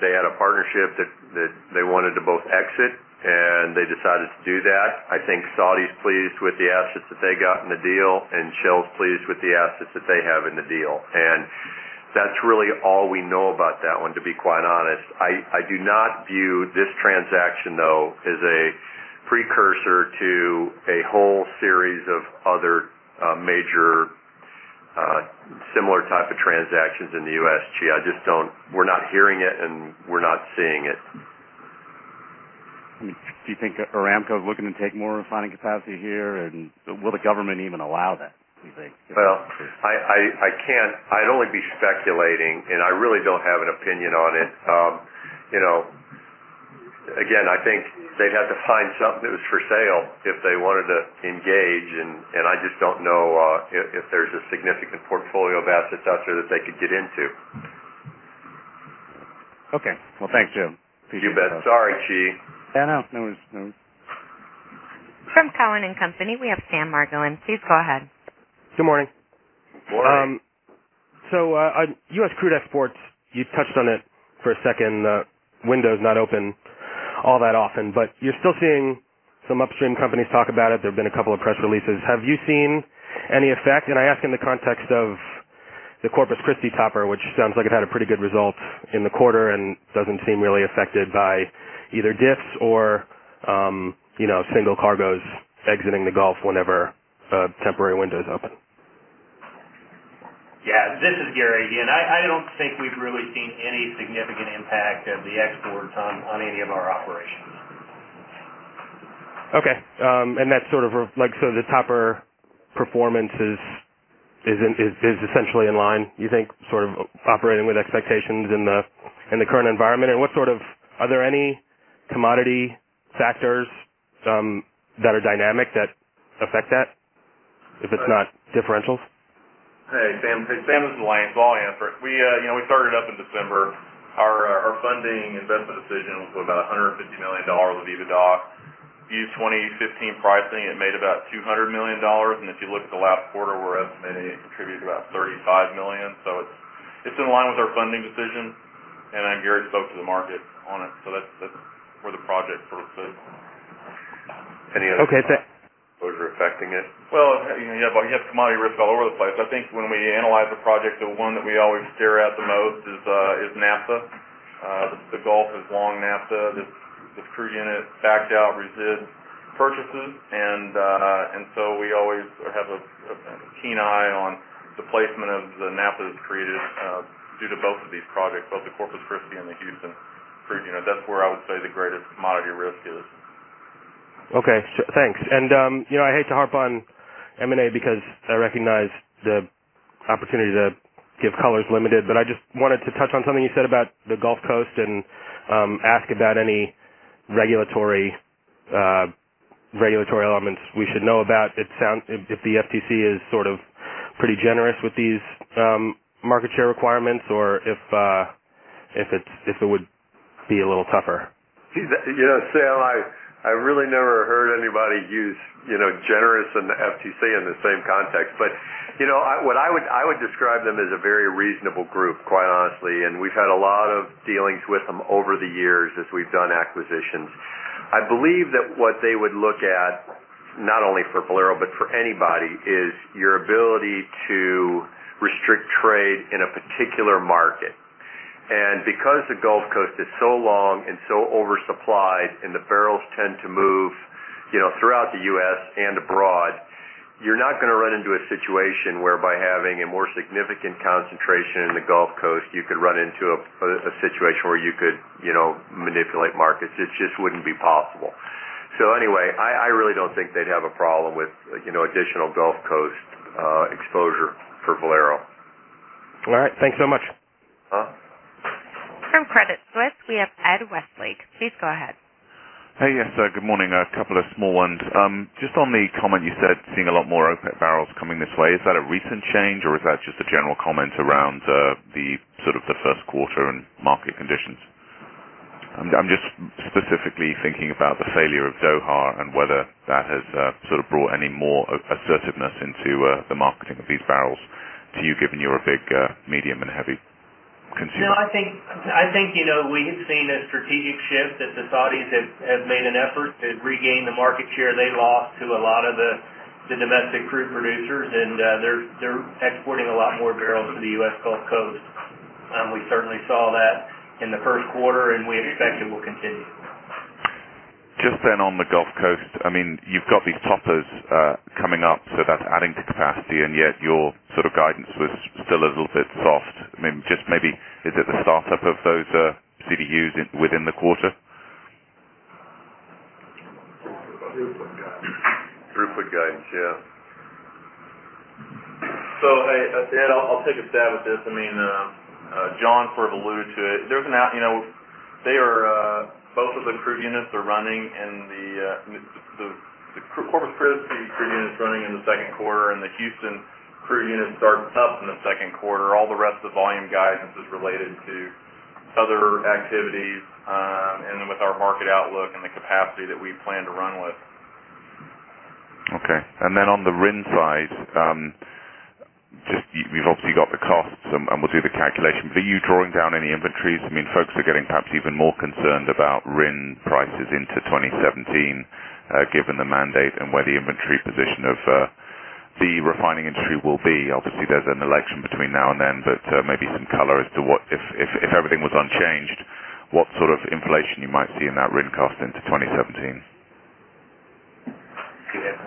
they had a partnership that they wanted to both exit. They decided to do that. I think Saudi's pleased with the assets that they got in the deal. Shell's pleased with the assets that they have in the deal. That's really all we know about that one, to be quite honest. I do not view this transaction, though, as a precursor to a whole series of other major, similar type of transactions in the U.S., Chi. We're not hearing it. We're not seeing it. Do you think Aramco is looking to take more refining capacity here? Will the government even allow that, do you think? Well, I'd only be speculating, and I really don't have an opinion on it. Again, I think they'd have to find something that was for sale if they wanted to engage, and I just don't know if there's a significant portfolio of assets out there that they could get into. Okay. Well, thanks, Joe. You bet. Sorry, Chi. Yeah, no. No worries. From Cowen & Company, we have Sam Margolin. Please go ahead. Good morning. Morning. On U.S. crude exports, you touched on it for a second. Window's not open all that often, but you're still seeing some upstream companies talk about it. There've been a couple of press releases. Have you seen any effect? I ask in the context of the Corpus Christi topper, which sounds like it had a pretty good result in the quarter and doesn't seem really affected by either diffs or single cargoes exiting the Gulf whenever temporary windows open. Yeah. This is Gary again. I don't think we've really seen any significant impact of the exports on any of our operations. Okay. The topper performance is essentially in line, you think, sort of operating with expectations in the current environment? Are there any commodity factors that are dynamic that affect that, if it's not differentials? Hey, Sam. This is Lane. I'll answer it. We started up in December. Our funding investment decision was about $150 million of EBITDA. Used 2015 pricing, it made about $200 million. If you look at the last quarter, we're estimating it contributed about $35 million. It's in line with our funding decision. Gary spoke to the market on it. That's where the project sort of sits. Okay. Any other exposure affecting it? Well, you have commodity risk all over the place. I think when we analyze a project, the one that we always stare at the most is naphtha. The Gulf is long naphtha. This crude unit backs out resid purchases. We always have a keen eye on the placement of the naphtha created due to both of these projects, both the Corpus Christi and the Houston crude unit. That's where I would say the greatest commodity risk is. Okay, thanks. I hate to harp on M&A because I recognize the opportunity to give color is limited, but I just wanted to touch on something you said about the Gulf Coast and ask about any regulatory elements we should know about. If the FTC is sort of pretty generous with these market share requirements or if it would be a little tougher. Sam, I really never heard anybody use generous and the FTC in the same context. I would describe them as a very reasonable group, quite honestly, and we've had a lot of dealings with them over the years as we've done acquisitions. I believe that what they would look at, not only for Valero, but for anybody, is your ability to restrict trade in a particular market. Because the Gulf Coast is so long and so oversupplied and the barrels tend to move throughout the U.S. and abroad, you're not going to run into a situation where by having a more significant concentration in the Gulf Coast, you could run into a situation where you could manipulate markets. It just wouldn't be possible. Anyway, I really don't think they'd have a problem with additional Gulf Coast exposure for Valero. All right. Thanks so much. From Credit Suisse, we have Ed Westlake. Please go ahead. Hey, yes. Good morning. A couple of small ones. Just on the comment you said, seeing a lot more OPEC barrels coming this way. Is that a recent change or is that just a general comment around the first quarter and market conditions? I'm just specifically thinking about the failure of Doha and whether that has sort of brought any more assertiveness into the marketing of these barrels to you, given you're a big medium and heavy consumer. No, I think we've seen a strategic shift that the Saudis have made an effort to regain the market share they lost to a lot of the domestic crude producers. They're exporting a lot more barrels to the U.S. Gulf Coast. We certainly saw that in the first quarter. We expect it will continue. Just on the Gulf Coast, you've got these toppers coming up. That's adding to capacity. Yet your sort of guidance was still a little bit soft. Just maybe, is it the start-up of those CDUs within the quarter? Throughput guidance. Throughput guidance, yeah. Hey, Ed, I'll take a stab at this. John sort of alluded to it. Both of the crude units are running. The Corpus Christi crude unit's running in the second quarter, and the Houston crude unit starts up in the second quarter. All the rest of the volume guidance is related to other activities and with our market outlook and the capacity that we plan to run with. Okay. Then on the RIN side, we've obviously got the costs and we'll do the calculation. Are you drawing down any inventories? Folks are getting perhaps even more concerned about RIN prices into 2017, given the mandate and where the inventory position of the refining industry will be. There's an election between now and then, maybe some color as to what, if everything was unchanged, what sort of inflation you might see in that RIN cost into 2017. Go ahead, Martin.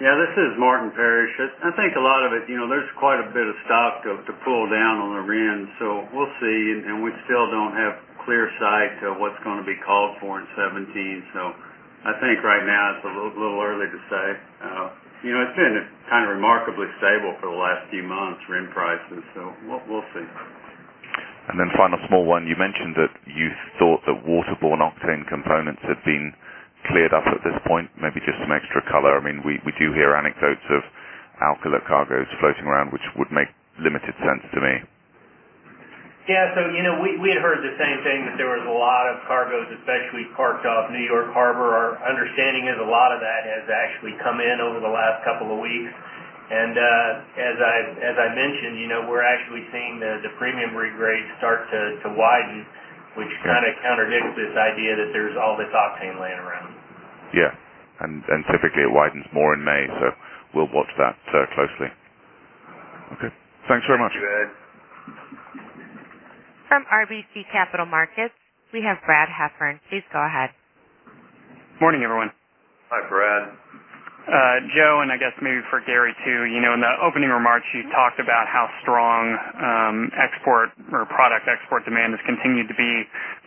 Yeah, this is Martin Parrish. I think a lot of it, there's quite a bit of stock to pull down on the RIN, we'll see. We still don't have clear sight to what's going to be called for in 2017. I think right now it's a little early to say. It's been kind of remarkably stable for the last few months, RIN prices, we'll see. Final small one, you mentioned that you thought that waterborne octane components had been cleared up at this point. Maybe just some extra color. We do hear anecdotes of alkylate cargoes floating around, which would make limited sense to me. Yeah. We had heard the same thing, that there was a lot of cargoes, especially parked off New York Harbor. Our understanding is a lot of that has actually come in over the last couple of weeks. As I mentioned, we're actually seeing the premium regrade start to widen, which kind of contradicts this idea that there's all this octane laying around. Yeah. Typically it widens more in May, so we'll watch that closely. Okay. Thanks very much. Thank you, Ed. From RBC Capital Markets, we have Brad Heffern. Please go ahead. Morning, everyone. Hi, Brad. Joe, I guess maybe for Gary too, in the opening remarks, you talked about how strong export or product export demand has continued to be.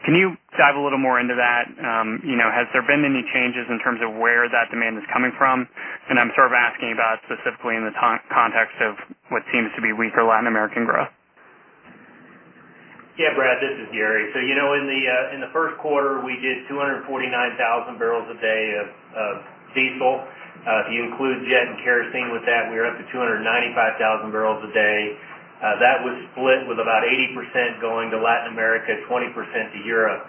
Can you dive a little more into that? Has there been any changes in terms of where that demand is coming from? I'm sort of asking about specifically in the context of what seems to be weaker Latin American growth. Yeah. Brad, this is Gary. In the first quarter, we did 249,000 barrels a day of diesel. If you include jet and kerosene with that, we are up to 295,000 barrels a day. That was split with about 80% going to Latin America, 20% to Europe.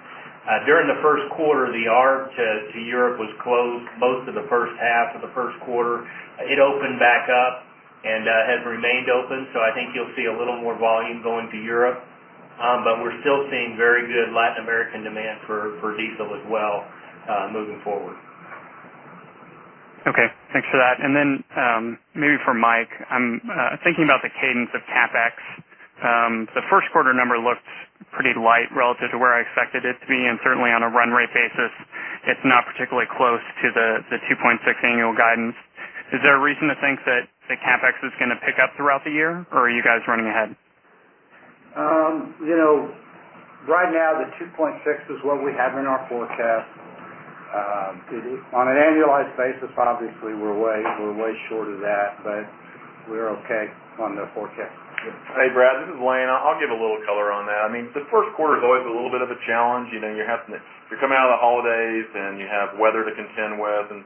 During the first quarter, the arb to Europe was closed most of the first half of the first quarter. It opened back up and has remained open. I think you'll see a little more volume going to Europe. We're still seeing very good Latin American demand for diesel as well, moving forward. Okay. Thanks for that. Then, maybe for Mike, I'm thinking about the cadence of CapEx. The first quarter number looked pretty light relative to where I expected it to be, and certainly on a run rate basis, it's not particularly close to the 2.6 annual guidance. Is there a reason to think that the CapEx is going to pick up throughout the year, or are you guys running ahead? Right now, the 2.6 is what we have in our forecast. On an annualized basis, obviously, we're way shorter than that, but we're okay on the forecast. Hey, Brad, this is Lane. I'll give a little color on that. The first quarter is always a little bit of a challenge. You're coming out of the holidays, and you have weather to contend with.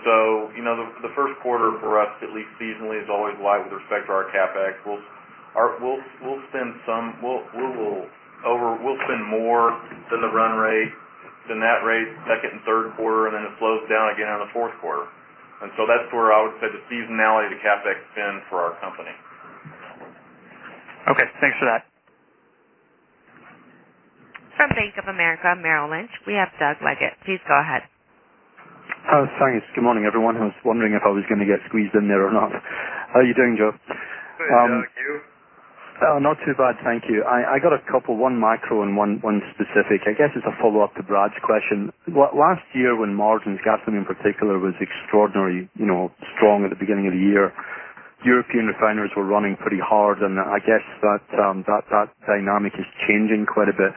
The first quarter for us, at least seasonally, is always light with respect to our CapEx. We'll spend more than the run rate, than that rate second and third quarter, then it slows down again in the fourth quarter. That's where I would say the seasonality of the CapEx has been for our company. Okay, thanks for that. From Bank of America Merrill Lynch, we have Doug Leggate. Please go ahead. Thanks. Good morning, everyone. I was wondering if I was going to get squeezed in there or not. How are you doing, Joe? Good, Doug. You? Not too bad, thank you. I got a couple, one micro and one specific. I guess it's a follow-up to Brad's question. Last year, when margins, gasoline in particular, was extraordinarily strong at the beginning of the year, European refiners were running pretty hard. I guess that dynamic is changing quite a bit.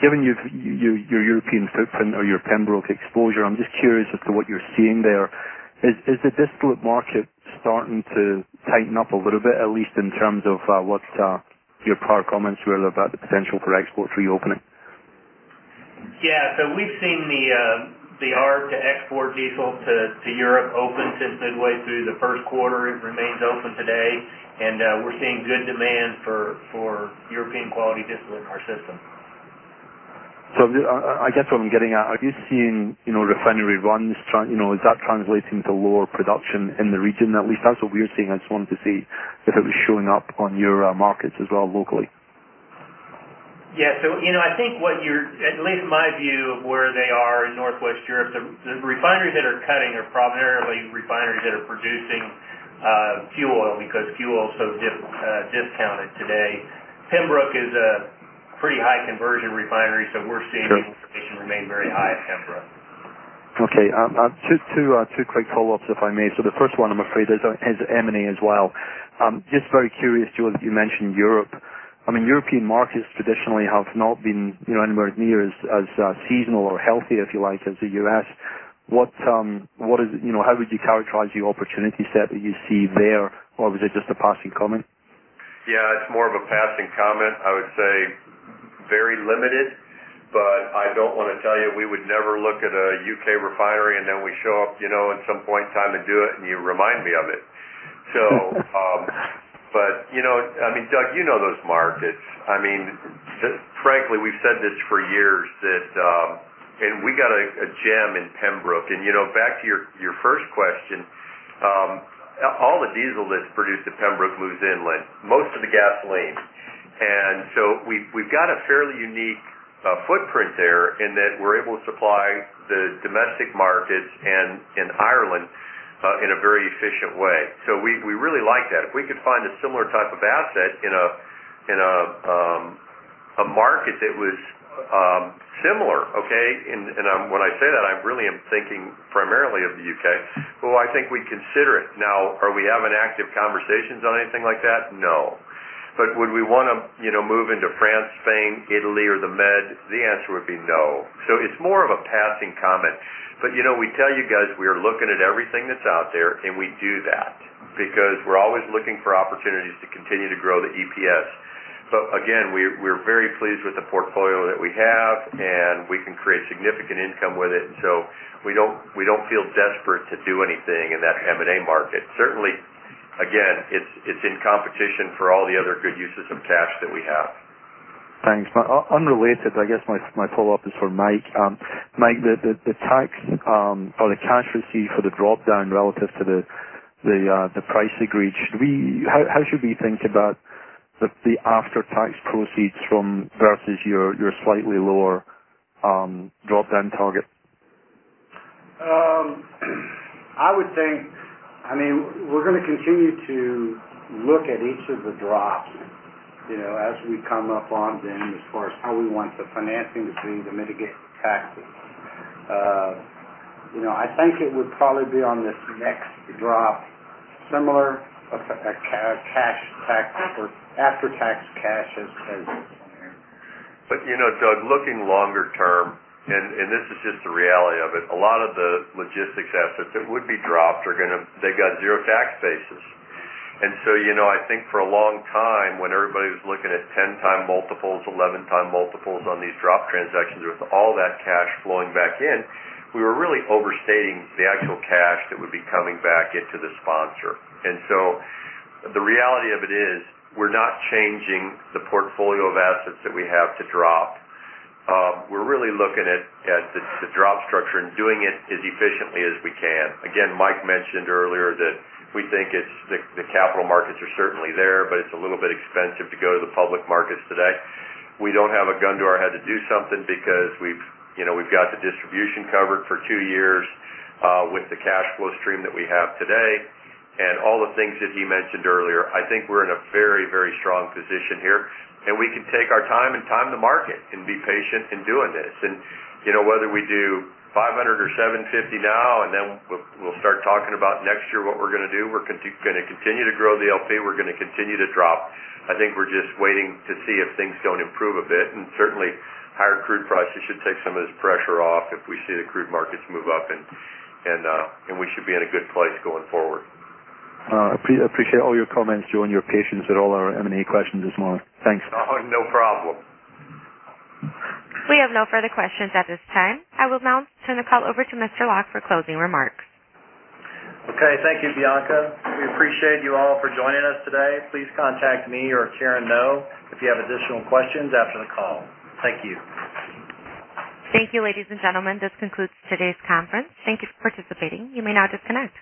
Given your European footprint or your Pembroke exposure, I'm just curious as to what you're seeing there. Is the distillate market starting to tighten up a little bit, at least in terms of what your prior comments were about the potential for export reopening? Yeah. We've seen the arb to export diesel to Europe open since midway through the first quarter. It remains open today. We're seeing good demand for European quality distillate in our system. I guess what I'm getting at, are you seeing refinery runs? Is that translating to lower production in the region, at least? That's what we're seeing. I just wanted to see if it was showing up on your markets as well locally. Yeah. I think at least my view of where they are in Northwest Europe, the refineries that are cutting are primarily refineries that are producing fuel oil because fuel's so discounted today. Pembroke is a pretty high conversion refinery, so we're seeing utilization- Sure remain very high at Pembroke. Okay. Two quick follow-ups, if I may. The first one, I'm afraid, is M&A as well. Just very curious, Joe, that you mentioned Europe. European markets traditionally have not been anywhere near as seasonal or healthy, if you like, as the U.S. How would you characterize the opportunity set that you see there, or was it just a passing comment? Yeah, it's more of a passing comment. I would say very limited, but I don't want to tell you we would never look at a U.K. refinery and then we show up at some point in time and do it and you remind me of it. Doug, you know those markets. Frankly, we've said this for years, and we got a gem in Pembroke. Back to your first question, all the diesel that's produced at Pembroke moves inland, most of the gasoline. We've got a fairly unique footprint there in that we're able to supply the domestic markets and Ireland in a very efficient way. We really like that. If we could find a similar type of asset in a market that was similar, okay? When I say that, I really am thinking primarily of the U.K. I think we'd consider it. Are we having active conversations on anything like that? No. Would we want to move into France, Spain, Italy, or the Med? The answer would be no. It's more of a passing comment. We tell you guys, we are looking at everything that's out there, and we do that because we're always looking for opportunities to continue to grow the EPS. Again, we're very pleased with the portfolio that we have, and we can create significant income with it. We don't feel desperate to do anything in that M&A market. Certainly, again, it's in competition for all the other good uses of cash that we have. Thanks. Unrelated, I guess my follow-up is for Mike. Mike, the tax or the cash received for the drop-down relative to the price agreed, how should we think about the after-tax proceeds from versus your slightly lower drop-down target? I would think, we're going to continue to look at each of the drops as we come up on them, as far as how we want the financing to be to mitigate the taxes. I think it would probably be on this next drop, similar cash tax or after-tax cash as- Doug, looking longer term, this is just the reality of it. A lot of the logistics assets that would be dropped, they got zero tax bases. I think for a long time, when everybody was looking at 10x multiples, 11x multiples on these drop transactions, with all that cash flowing back in. We were really overstating the actual cash that would be coming back into the sponsor. The reality of it is, we're not changing the portfolio of assets that we have to drop. We're really looking at the drop structure and doing it as efficiently as we can. Again, Mike mentioned earlier that we think the capital markets are certainly there, but it's a little bit expensive to go to the public markets today. We don't have a gun to our head to do something because we've got the distribution covered for two years with the cash flow stream that we have today. All the things that he mentioned earlier, I think we're in a very, very strong position here, and we can take our time and time the market and be patient in doing this. Whether we do $500 or $750 now, we'll start talking about next year what we're going to do. We're going to continue to grow the MLP. We're going to continue to drop. I think we're just waiting to see if things don't improve a bit. Certainly, higher crude prices should take some of this pressure off if we see the crude markets move up, and we should be in a good place going forward. I appreciate all your comments, Joe, and your patience with all our M&A questions this morning. Thanks. Oh, no problem. We have no further questions at this time. I will now turn the call over to Mr. Locke for closing remarks. Okay. Thank you, Bianca. We appreciate you all for joining us today. Please contact me or Karen Ngo if you have additional questions after the call. Thank you. Thank you, ladies and gentlemen. This concludes today's conference. Thank you for participating. You may now disconnect.